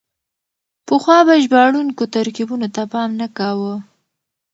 پخوا به ژباړونکو ترکيبونو ته پام نه کاوه.